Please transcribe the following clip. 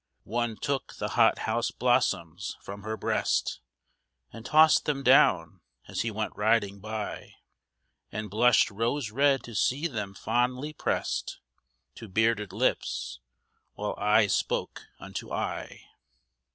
One took the hot house blossoms from her breast, And tossed them down, as he went riding by, And blushed rose red to see them fondly pressed To bearded lips, while eye spoke unto eye.